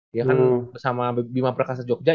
dia kan sama bima perkasa jogja